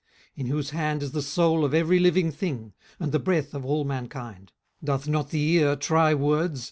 18:012:010 In whose hand is the soul of every living thing, and the breath of all mankind. 18:012:011 Doth not the ear try words?